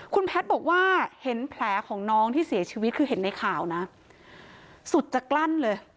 คุณแพทย์บอกว่าเห็นแผลของน้องที่เสียชีวิตคือเห็นในข่าวนะสุดจะกลั้นเลย